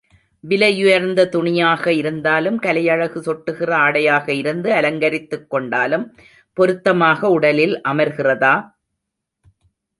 விலையுயர்ந்த துணியாக இருந்தாலும், கலையழகு சொட்டுகின்ற ஆடையாக இருந்து அலங்கரித்துக் கொண்டாலும், பொருத்தமாக உடலில் அமர்கிறதா?